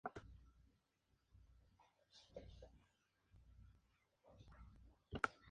Narró varios audiolibros de "Fireman Sam".